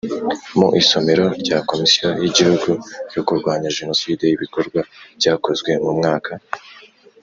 Mu isomero rya Komisiyo y gihugu yo Kurwanya Jenoside ibikorwa byakozwe mu mwaka